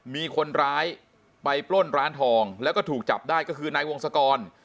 มีคนร้ายไปปล้นร้านทองแล้วก็ถูกจับได้ก็คือนายวงศกร